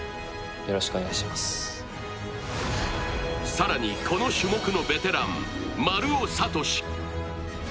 更にこの種目のベテラン丸尾知司。